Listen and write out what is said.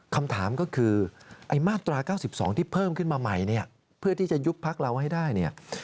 คำถามก็คือมาตรา๙๒ที่เพิ่มขึ้นมาใหม่เพื่อที่จะยุบพักเราให้ได้